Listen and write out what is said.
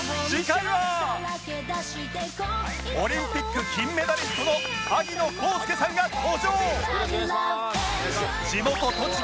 オリンピック金メダリストの萩野公介さんが登場